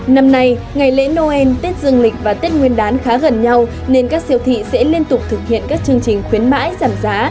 năm nay ngày lễ noel tết dương lịch và tết nguyên đán khá gần nhau nên các siêu thị sẽ liên tục thực hiện các chương trình khuyến mãi giảm giá